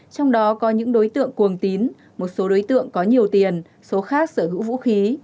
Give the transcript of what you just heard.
trong đó có những đối tượng cuồng tín một số đối tượng có nhiều tiền số khác sở hữu vũ khí